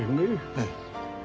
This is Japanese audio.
はい。